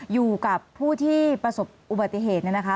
อยู่กับผู้ที่ประสบอุบัติเหตุเนี่ยนะคะ